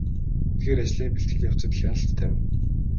Эдгээр ажлын бэлтгэл явцад хяналт тавина.